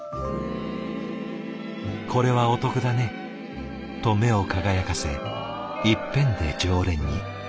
「これはお得だね！」と目を輝かせいっぺんで常連に。